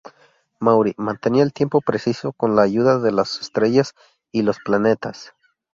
Maury mantenía el tiempo preciso con la ayuda de las estrellas y los planetas.